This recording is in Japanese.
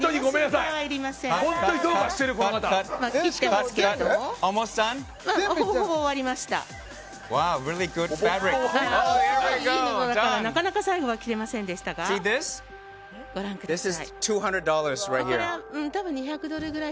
いいものですからなかなか最後は切れませんでしたがご覧ください。